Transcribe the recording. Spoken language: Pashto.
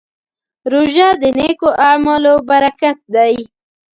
روژه د نېکو اعمالو برکت دی.